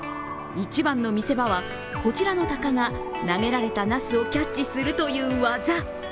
一番の見せ場はこちらの鷹が投げられたなすをキャッチするという技。